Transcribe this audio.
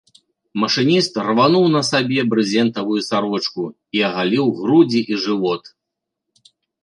Машыніст рвануў на сабе брызентавую сарочку і агаліў грудзі і жывот.